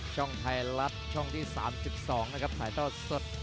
ช่องไทยรัฐช่องที่๓๒นะครับถ่ายเต้าสด